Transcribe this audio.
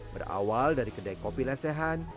berawal dari kedai kopi lesehan